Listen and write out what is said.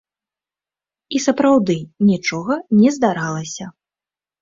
І сапраўды, нічога не здаралася.